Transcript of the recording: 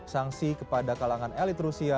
sanksi kepada kalangan elit rusia